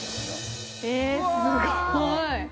えすごい。